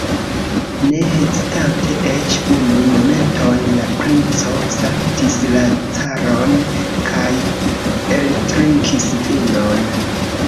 Ne hezitante eĉ unu momenton, la princo salutis la caron kaj eltrinkis vinon.